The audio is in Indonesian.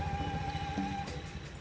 kota pematang siantar